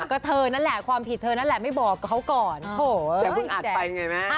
ก็เธอนั่นแหละความผิดเธอนั่นแหละไม่บอกเขาก็เข้ากลับมา